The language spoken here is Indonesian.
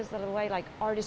jadi ini adalah cara artis